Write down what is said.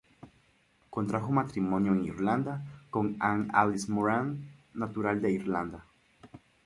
Contrajo matrimonio en Irlanda con Ann Alice Moran natural de Irlanda.